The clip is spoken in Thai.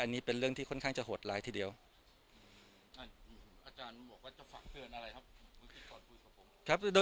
อันนี้เป็นเรื่องที่ค่อนข้างจะโหดร้ายทีเดียวอาจารย์บอกว่าจะฝากเตือนอะไรครับครับ